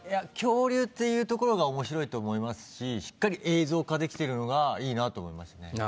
恐竜っていうところが面白いと思いますししっかり映像化できてるのがいいなと思いましたね。